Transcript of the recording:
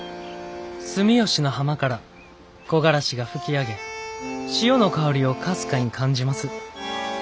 住吉の浜から木枯らしが吹き上げ潮の香りをかすかに感じます。